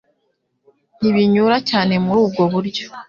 ntibinyura cyane muri ubwo buryo.